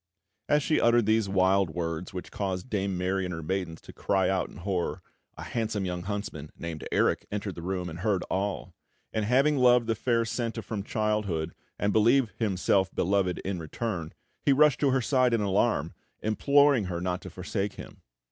As she uttered these wild words, which caused Dame Mary and her maidens to cry out in horror, a handsome young huntsman, named Erik, entered the room, and heard all; and having loved the fair Senta from childhood, and believed himself beloved in return, he rushed to her side in alarm, imploring her not to forsake him.